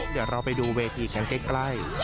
เดี๋ยวเราไปดูเวทีแข็งเก็กใกล้